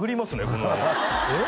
このえっ？